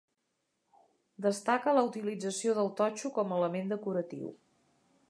Destaca la utilització del totxo com a element decoratiu.